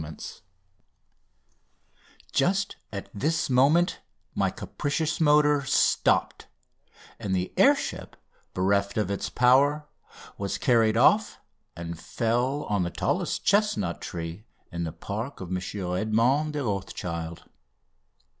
EDMOND DE ROTHSCHILD] Just at this moment my capricious motor stopped, and the air ship, bereft of its power, was carried off, and fell on the tallest chestnut tree in the park of M. Edmond de Rothschild.